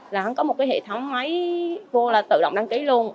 là không có một cái hệ thống máy vô là tự động đăng ký luôn